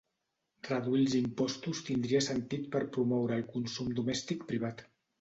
Reduir els impostos tindria sentit per promoure el consum domèstic privat.